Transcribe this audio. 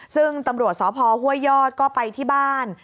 ซึ่งตำรวจสพห้วยยอดก็ไปที่บ้าน